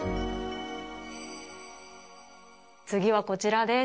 つぎはこちらです。